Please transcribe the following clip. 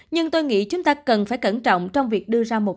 nhưng tôi nghĩ chúng ta cần phải cẩn trọng trong việc đưa ra một